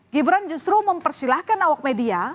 gibran justru mempersilahkan awak media